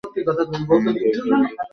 আমি একা একাই বেশ ছিলাম।